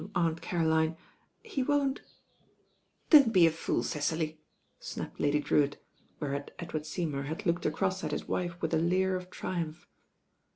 Aunt Caroline, he won't ^" "Don't be a fool, Cecily," snapped Lady Drewitt j whereat Edward Seymour had looked across at his wife with a leer of triumph.